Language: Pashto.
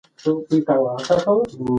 مهمه ده، تل وفادار پاتې شئ.